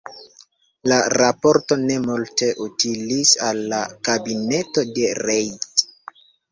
La raporto ne multe utilis al la kabineto de Reid.